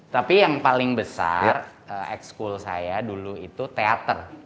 tapi yang paling besar ex school saya dulu itu teater